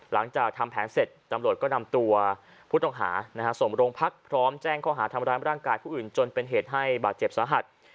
หลังจากทำแผนเสร็จตำรวจก็นำตัวผู้ต้องหาส่งโรงพักพร้อมแจ้งข้อหาทำร้ายร่างกายผู้อื่นจนเป็นเหตุให้บาดเจ็บสาหัส